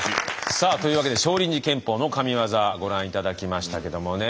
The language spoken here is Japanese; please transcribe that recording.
さあというわけで少林寺拳法のＫＡＭＩＷＡＺＡご覧頂きましたけどもね。